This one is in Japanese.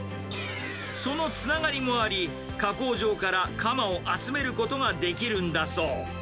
そのつながりもあり、加工場からカマを集めることができるんだそう。